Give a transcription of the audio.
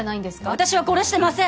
私は殺してません！